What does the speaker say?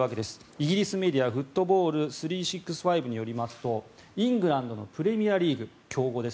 イギリスメディアフットボール３６５によりますとイングランドのプレミアリーグ強豪です。